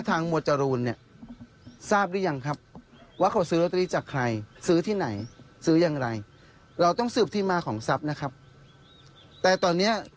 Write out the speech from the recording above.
สิ่งที่ครูพูดออกสืบเกือบ๔เดือนไม่ใช่เรื่องโกหก